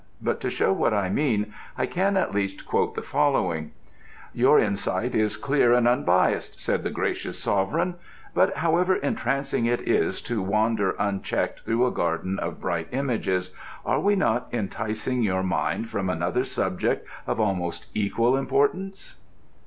But to show what I mean I can at least quote the following: ŌĆ£Your insight is clear and unbiased, ŌĆØ said the gracious Sovereign. ŌĆ£But however entrancing it is to wander unchecked through a garden of bright images, are we not enticing your mind from another subject of almost equal importance?